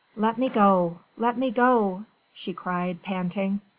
"Let me go! Let me go!" she cried, panting.